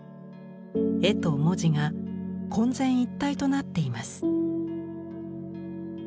絵と文字が混然一体となっています。